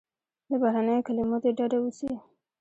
له بهرنیو کلیمو دې ډډه وسي.